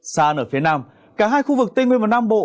xa nở phía nam cả hai khu vực tây nguyên và nam bộ